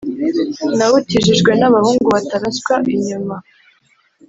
Nawutijijwe n’abahungu bataraswa inyuma,